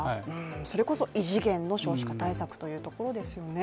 それこそ異次元の少子化対策というところですよね。